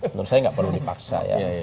menurut saya nggak perlu dipaksa ya